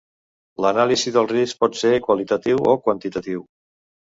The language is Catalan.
L'anàlisi del risc pot ser qualitatiu o quantitatiu.